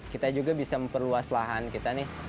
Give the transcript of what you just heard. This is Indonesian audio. kita juga bisa memperluas lahan kita nih